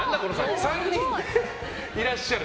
３人でいらっしゃる。